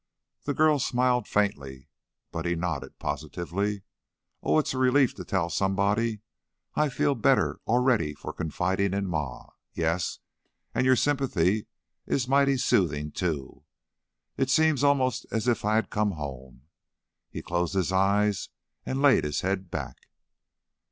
The girl smiled faintly, but he nodded, positively: "Oh, it's a relief to tell somebody! I feel better already for confiding in Ma. Yes, and your sympathy is mighty soothing, too. It seems almost as if I had come home." He closed his eyes and laid his head back.